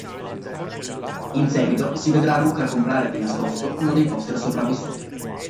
In seguito, si vedrà Ruka comprare di nascosto uno dei poster sopravvissuti.